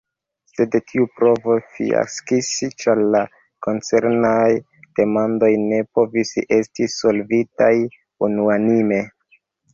Sed tiu provo fiaskis ĉar la koncernaj demandoj ne povis esti solvitaj unuanime.